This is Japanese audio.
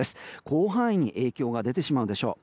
広範囲に影響が出てしまうでしょう。